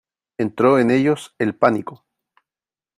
entró en ellos el pánico .